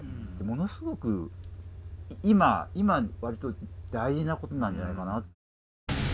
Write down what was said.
ものすごく今割と大事なことなんじゃないかな。